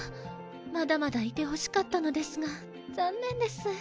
まだまだいてほしかったのですが残念です。